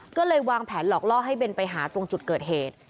ก็เลยวางแผนหลอกล่อให้เบนไปหาตรงจุดเกิดเหตุ